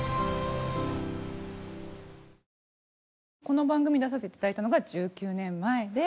この番組に出させていただいたのが１９年前で。